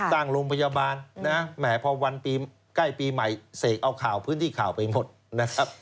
ตั้งโรงพยาบาลแหม่พอวันใกล้ปีใหม่เสกเอาข่าวพื้นที่ข่าวไปหมด